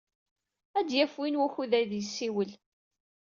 Ad d-yaf win wukud ad yessiwel.